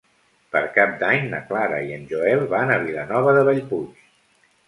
Per Cap d'Any na Clara i en Joel van a Vilanova de Bellpuig.